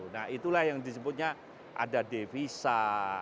nah itulah yang disebutnya ada devisa